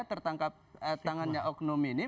tertangkap tangannya oklimaiknya